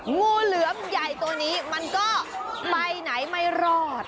งูเหลือมใหญ่ตัวนี้มันก็ไปไหนไม่รอด